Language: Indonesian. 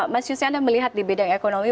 mas yusyana melihat di bidang ekonomi